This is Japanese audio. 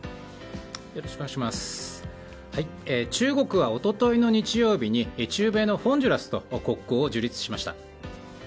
中国は一昨日の日曜日に中米のホンジュラスと国交を樹立しました。